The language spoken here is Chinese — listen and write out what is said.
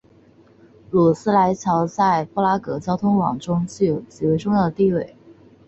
努斯莱桥在布拉格交通网中有着极为重要的地位。